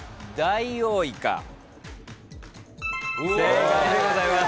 正解でございます。